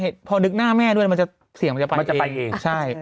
ถูกหน้าแม่ด้วยมันจะไปมันจะไปเอง